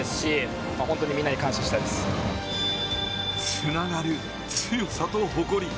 つながる強さと誇り。